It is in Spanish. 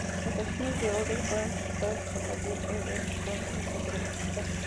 Las acciones de Odell fueron criticadas por David Eberhard, entonces jefe del hospital.